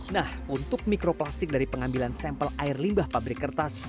nah untuk mikroplastik dari pengambilan sampel air limbah pabrik kertas